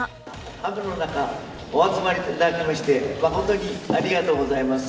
雨の中、お集まりいただきまして、誠にありがとうございます。